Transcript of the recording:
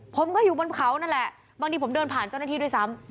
ผมก็อยู่บนเขานั่นแหละบางทีผมเดินผ่านเจ้าหน้าที่ด้วยซ้ำ